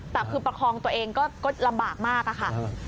แต่คือประคองตัวเองก็ลำบากมากอะค่ะ